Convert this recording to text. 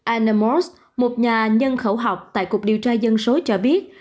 anna morse một nhà nhân khẩu học tại cục điều tra dân số cho biết